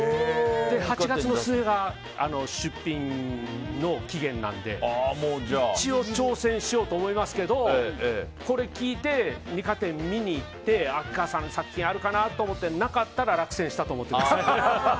８月の末が出品の期限なんで一応、挑戦しようと思いますけどこれ聞いて、二科展見に行って秋川さんの作品あるかなと思って見に行ってなかったら落選したと思ってください。